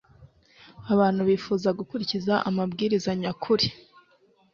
abantu bifuza gukurikiza amabwiriza nyakuri